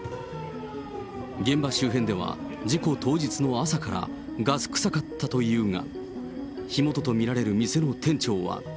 現場周辺では事故当日の朝からガス臭かったというが、火元と見られる店の店長は。